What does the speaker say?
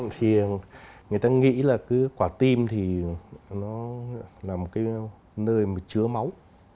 thì người ta nghĩ là cứ quả tim thì nó là một cái nơi mà chứa máu